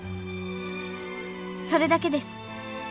それだけです。